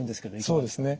そうですね